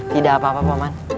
tidak apa apa pak man